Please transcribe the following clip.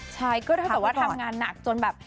ใช่ก็แบบว่าทำงานหนักจนแบบ